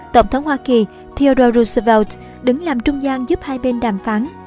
tổng thống hoa kỳ theodore roosevelt đứng làm trung gian giúp hai bên đàm phán